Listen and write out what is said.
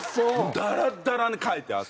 ダラダラにかいて汗。